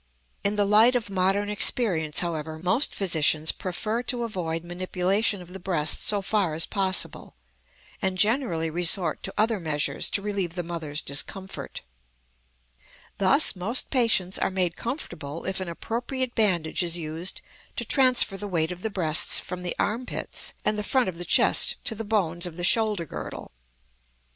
In the light of modern experience, however, most physicians prefer to avoid manipulation of the breast so far as possible, and generally resort to other measures to relieve the mother's discomfort. Thus most patients are made comfortable if an appropriate bandage is used to transfer the weight of the breasts from the arm pits and the front of the chest to the bones of the shoulder girdle.